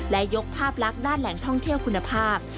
และยกภาพลักษณ์ด้านแหล่งท่องเที่ยวคุณภาพ